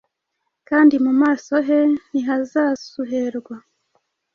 kandi mu maso he ntihazasuherwa.